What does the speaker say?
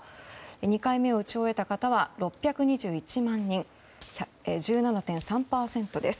２回目を打ち終えた方は６２１万人１７．３％です。